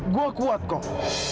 gue kuat kok